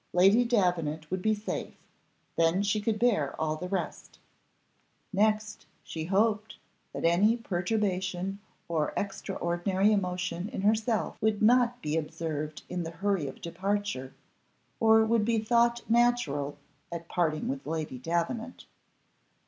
Lady Davenant would be safe, then she could bear all the rest; next she hoped, that any perturbation or extraordinary emotion in herself would not be observed in the hurry of departure, or would be thought natural at parting with Lady Davenant.